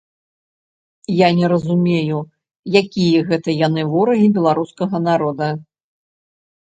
Я не разумею, якія гэта яны ворагі беларускага народа?